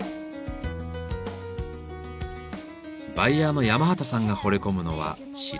バイヤーの山端さんがほれ込むのは白い器。